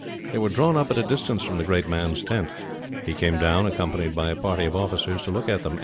They were drawn up at a distance from the great man's tent. He came down, accompanied by a party of officers, to look at them.